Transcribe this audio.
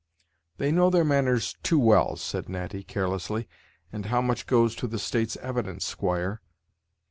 "They know their manners too well," said Natty carelessly. "And how much goes to the State's evidence, squire?"